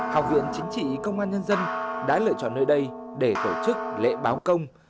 học viện chính trị công an nhân dân đã lựa chọn nơi đây để tổ chức lễ báo công